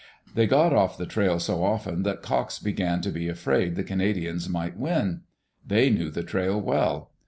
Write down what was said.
They got off the trail so often that Cox began to be afraid the Canadians might win. They knew the trail well.